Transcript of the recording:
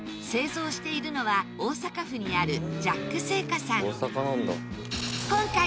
製造しているのは大阪府にあるジャック製菓さん。